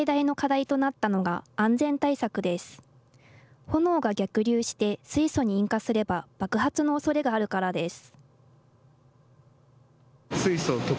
炎が逆流して水素に引火すれば、爆発のおそれがあるからです。